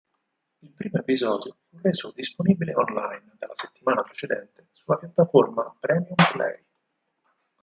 Il primo episodio fu reso disponibile online, dalla settimana precedente, sulla piattaforma Premium Play.